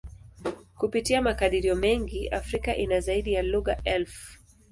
Kupitia makadirio mengi, Afrika ina zaidi ya lugha elfu.